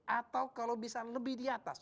atau kalau bisa lebih di atas